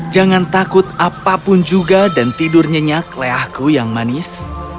jangan takut apapun juga dan tidur nyenyak leahku yang manis